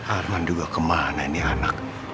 arman juga kemana ini anak